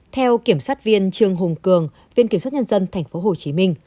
theo kiểm soát viên trương hùng cường viên kiểm soát nhân dân tp hcm